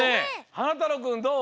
はなたろうくんどう？